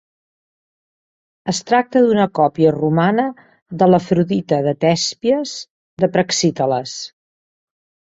Es tracta d'una còpia romana de l'Afrodita de Tèspies de Praxíteles.